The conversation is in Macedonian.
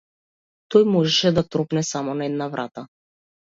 Тој можеше да тропне само на една врата.